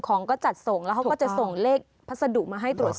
ของก็จัดส่งแล้วเขาก็จะส่งเลขพัสดุมาให้ตรวจสอบ